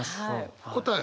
答え